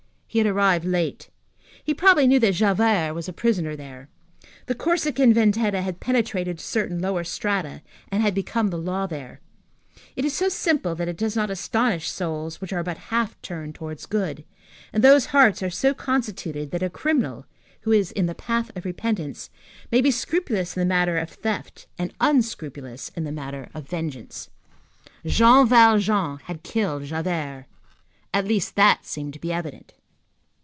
He had arrived late. He probably knew that Javert was a prisoner there. The Corsican vendetta has penetrated to certain lower strata and has become the law there; it is so simple that it does not astonish souls which are but half turned towards good; and those hearts are so constituted that a criminal, who is in the path of repentance, may be scrupulous in the matter of theft and unscrupulous in the matter of vengeance. Jean Valjean had killed Javert. At least, that seemed to be evident.